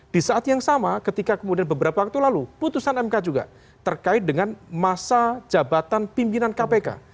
di saat yang sama ketika kemudian beberapa waktu lalu putusan mk juga terkait dengan masa jabatan pimpinan kpk